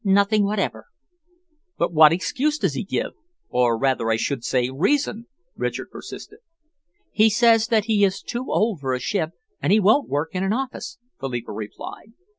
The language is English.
"Nothing whatever." "But what excuse does he give or rather I should say reason?" Richard persisted. "He says that he is too old for a ship, and he won't work in an office," Philippa replied.